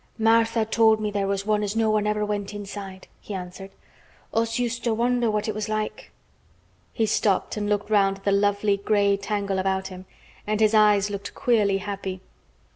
"Martha told me there was one as no one ever went inside," he answered. "Us used to wonder what it was like." He stopped and looked round at the lovely gray tangle about him, and his round eyes looked queerly happy.